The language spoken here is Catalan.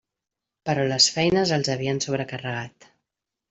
Però les feines els havien sobrecarregat.